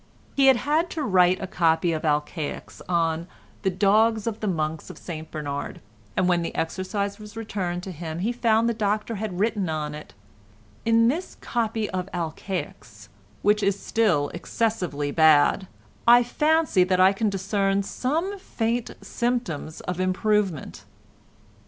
He had had to write a copy of Alcaics on "The dogs of the monks of St Bernard," and when the exercise was returned to him he found the Doctor had written on it: "In this copy of Alcaics—which is still excessively bad—I fancy that I can discern some faint symptoms of improvement."